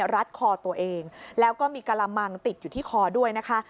รัดคอตัวเองแล้วก็มีกระมังติดอยู่ที่คอด้วยนะคะ